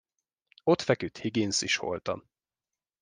Ott feküdt Higgins is holtan.